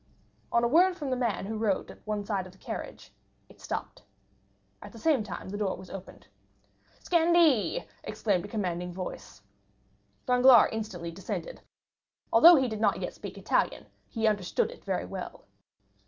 On a word from the man who rode at the side of the carriage, it stopped. At the same time the door was opened. "Scendi!" exclaimed a commanding voice. Danglars instantly descended; although he did not yet speak Italian, he understood it very well.